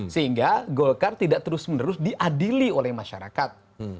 sehingga golkar tidak terus menerus diadili oleh masyarakat